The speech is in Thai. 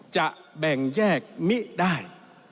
จะแบ่งแยกมิได้